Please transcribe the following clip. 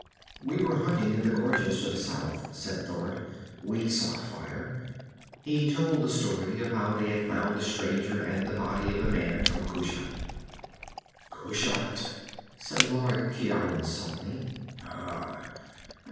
"We were hunting in the gorges to the south," said Thord. "We saw a fire...." He told the story, of how they had found the stranger and the body of the man from Kushat. "Kushat!" said the Lord Ciaran softly.